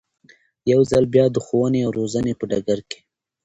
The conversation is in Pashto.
يو ځل بيا د ښوونې او روزنې په ډګر کې